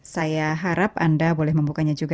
saya harap anda boleh membukanya juga